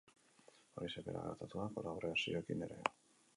Horixe bera gertatu da kolaborazioekin ere.